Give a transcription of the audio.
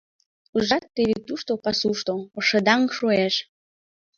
Ужат, теве тушто, пасушто, ошшыдаҥ шуэш?